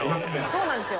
そうなんですよ。